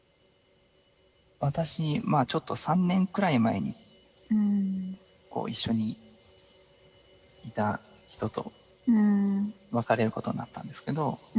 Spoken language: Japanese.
私ちょっと３年くらい前に一緒にいた人と別れることになったんですけど。